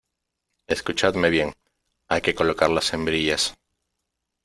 escuchadme bien , hay que colocar las hembrillas